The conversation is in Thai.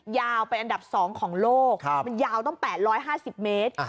ยาวเป็นอันดับสองของโลกครับมันยาวต้องแปดร้อยห้าสิบเมตร